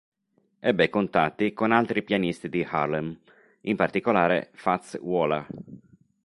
Ebbe contatti con altri pianisti di Harlem, in particolare Fats Waller.